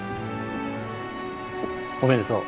おめでとう。